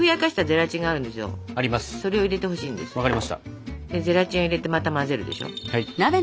ゼラチンを入れてまた混ぜるでしょ。